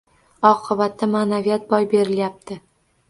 Oqibatda ma`naviyat boy berilyapti